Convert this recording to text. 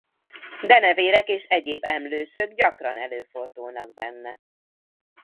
Denevérek és egyéb emlősök gyakran előfordulnak benne.